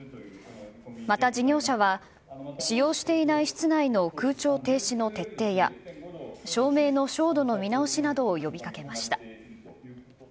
また事業者は、使用していない室内の空調停止の徹底や、照明の照度の見直しなどを呼びかけました。